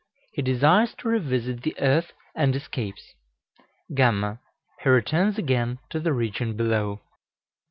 He desires to revisit the earth, and escapes. γ. He returns again to the region below.